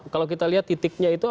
kalau kita lihat titiknya itu